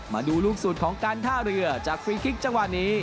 มาดูลูกสุดของการท่าเรือจากฟรีคลิกจังหวะนี้